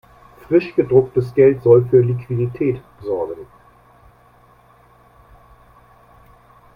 Frisch gedrucktes Geld soll für Liquidität sorgen.